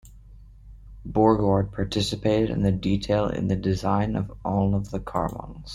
Borgward participated in detail in the design of all the car models.